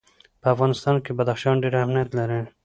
په افغانستان کې بدخشان ډېر اهمیت لري.